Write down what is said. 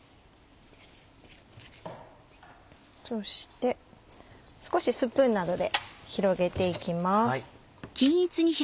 そして少しスプーンなどで広げて行きます。